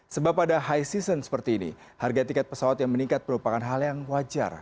sebab pada high season seperti ini harga tiket pesawat yang meningkat merupakan hal yang wajar